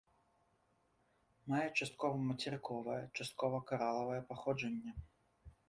Мае часткова мацерыковае, часткова каралавае паходжанне.